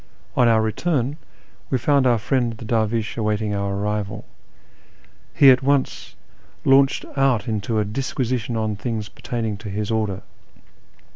On our return we found our friend the dervish awaiting our arrival. He at once launched out into a disquisition on things pertaining to his order.